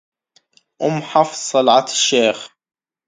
أم حفص صلعة الشيخ